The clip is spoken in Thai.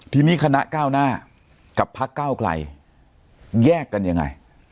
ทีนี้คณะก้าวหน้ากับพักเก้าไกลแยกกันยังไง